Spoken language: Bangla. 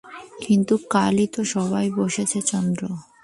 কিন্তু কালই তো সভা বসছে– চন্দ্র।